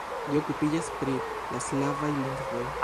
Li okupiĝas pri la slavaj lingvoj.